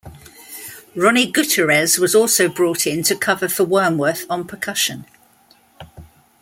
Ronnie Gutierrez was also brought in to cover for Wormworth on percussion.